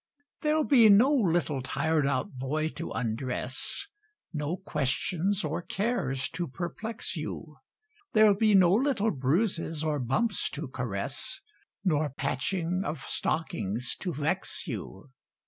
There'll be no little tired out boy to undress, No questions or cares to perplex you; There'll be no little bruises or bumps to caress, Nor patching of stockings to vex you.